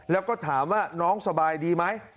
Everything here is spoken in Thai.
แล้วก็ถามว่าน้องสบายดีไหม